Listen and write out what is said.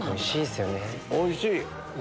おいしい！